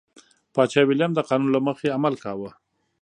پاچا ویلیم د قانون له مخې عمل کاوه.